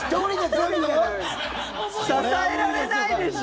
支えられないでしょ。